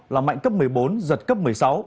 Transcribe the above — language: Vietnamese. là mạnh cấp một mươi bốn giật cấp một mươi sáu